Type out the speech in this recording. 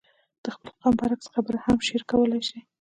د خپل قوم برعکس خبره هم شعر کولای شي.